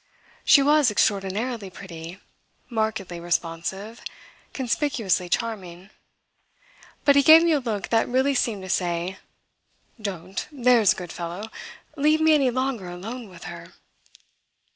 She was extraordinarily pretty, markedly responsive, conspicuously charming, but he gave me a look that really seemed to say: "Don't there's a good fellow leave me any longer alone with her!"